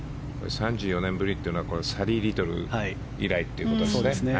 ３４年ぶりというのはサリー・リトル以来ということですね。